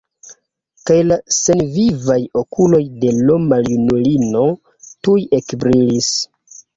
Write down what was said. Kaj la senvivaj okuloj de l' maljunulino tuj ekbrilis.